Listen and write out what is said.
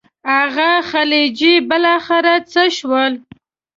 هغه خلجي بالاخره څه شول.